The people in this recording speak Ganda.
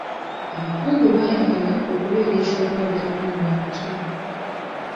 Abakungu baayagala okubeera eky'okulabirako mu bantu.